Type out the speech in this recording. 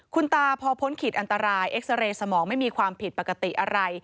คุณตาพอพ้นขีดอันตรายเอ็กซาเรย์สมองไม่มีความผิดปกติอะไร